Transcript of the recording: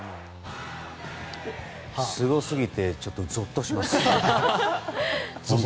すごすぎてちょっとゾッとします。